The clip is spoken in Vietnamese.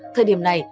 thời điểm này